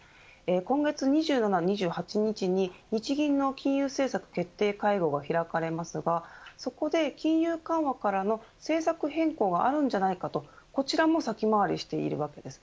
今月２７日、２８日に日銀の金融政策決定会合が開かれますがそこで、金融緩和からの政策変更があるんじゃないかとこちらも先回りしているわけです。